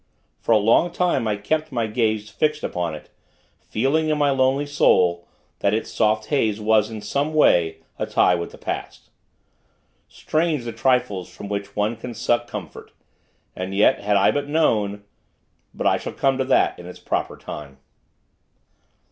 For a long time, I kept my gaze fixed upon it; feeling, in my lonely soul, that its soft haze was, in some way, a tie with the past. Strange, the trifles from which one can suck comfort! And yet, had I but known But I shall come to that in its proper time.